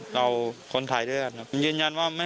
เราคนไทยด้วยกันครับยืนยันว่าไม่เม้าแน่นอนครับ